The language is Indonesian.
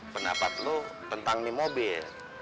pendapat lo tentang nih mobil